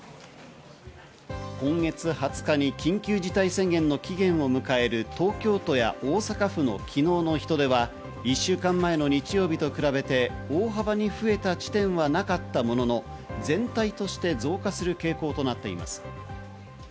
今月２０日に緊急事態宣言の期限を迎える東京都や大阪府の昨日の人出は、１週間前の日曜日と比べて大幅に増えた地点はなかったものの、全体として増加する傾向となっています。